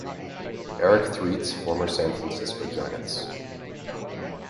Erick Threets, former San Francisco Giants.